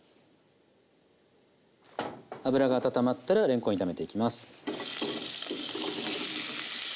油が温まったられんこん炒めていきます。